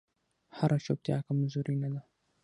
هره چوپتیا کمزوري نه ده